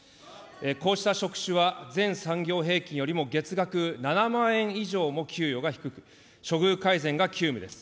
こうした職種は全産業平均よりも月額７万以上も給与が低く、処遇改善が急務です。